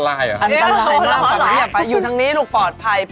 อันตรายมากอยู่ตรงนี้ปลอดภัย